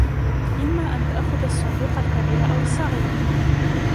إمّا أن تأخذ الصندوق الكبير أو الصغير.